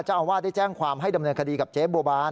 เจ้าอาวาสได้แจ้งความให้ดำเนินคดีกับเจ๊บัวบาน